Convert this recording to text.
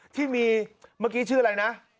ที่มีเมื่อกี้ชื่ออะไรนะ